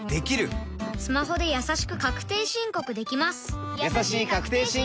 スマホでやさしく確定申告できます